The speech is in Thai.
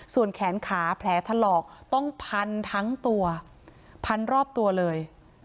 ส่วนแขนขาแผลถลอกต้องพันทั้งตัวพันรอบตัวเลย